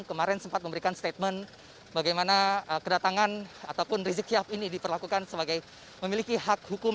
yang sempat memberikan statement bagaimana kedatangan ataupun rezekiah ini diperlakukan sebagai memiliki hak hukum